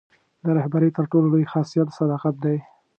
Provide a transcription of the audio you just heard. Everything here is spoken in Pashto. د رهبرۍ تر ټولو لوی خاصیت صداقت دی.